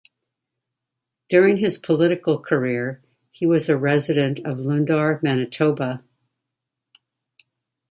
During his political career, he was a resident of Lundar, Manitoba.